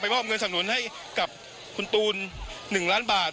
มอบเงินสำนุนให้กับคุณตูน๑ล้านบาท